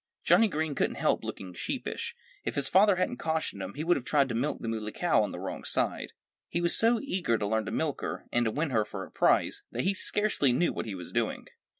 Johnnie Green couldn't help looking sheepish. If his father hadn't cautioned him he would have tried to milk the Muley Cow on the wrong side. He was so eager to learn to milk her, and to win her for a prize, that he scarcely knew what he was doing.